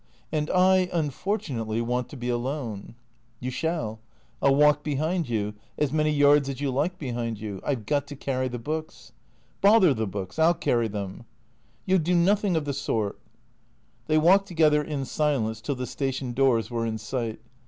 " And I, unfortunately, want to be alone. " You shall. I '11 walk behind you — as many yards as you like behind you. I 've got to carry the books." " Bother the books. I '11 carry them." " You '11 do notliing of the sort." They walked together in silence till the station doors were in sight.